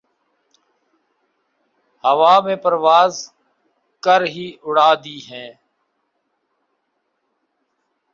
ہوا میں پرواز کر ہی اڑا دی ہیں